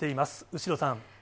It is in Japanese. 後呂さん。